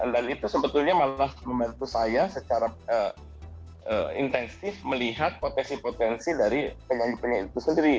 dan itu sebetulnya malah membantu saya secara intensif melihat potensi potensi dari penyanyi penyanyi itu sendiri